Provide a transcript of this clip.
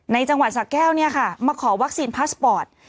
ในจังหวัดสักแก้วมาขอวัคซีนพลัสบอร์ต